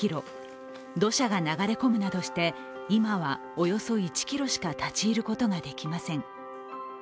土砂が流れ込むなどして今はおよそ１ｋｍしか立ち入ることができません。